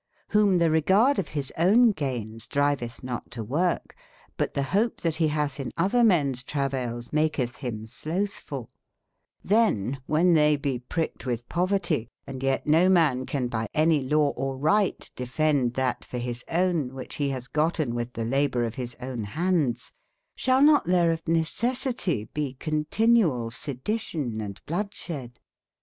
Cdbome tbe regarde of bis owne gainesdrivetbnottoworke, buttbebope tbat be batb in otbermens travayles ma# ketb bim slowtbf ulL'Cben wben tbey be pricked witb poverty e, and yet no man can by any laweorrigbt defend tbat for bis owne wbicb be batbe gotten witb tbe laboure of bis owne bandes, sbal not tbere of necessitie be continual sedition and blodesbed?